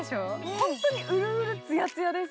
ホントにうるうるツヤツヤです